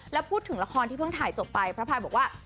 แล้วพูดถึงละครที่เพิ่งถ่ายจบไปพระพายบอกว่า